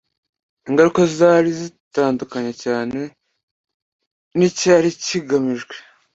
ingaruka zari zitandukanye cyane nicyari kigamijwe